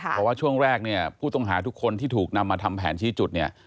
เพราะว่าช่วงแรกเนี่ยผู้ต้องหาทุกคนที่ถูกนำมาทำแผนชี้จุดเนี่ย